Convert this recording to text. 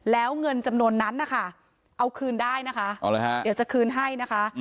แล้วเงินจำนวนนั้นนะคะเอาคืนได้นะคะเดี๋ยวจะคืนให้นะคะ